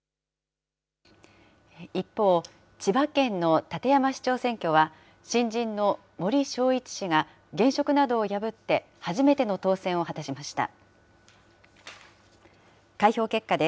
一方、千葉県の館山市長選挙は、新人の森正一氏が現職などを破って、初めての当選を果たしました。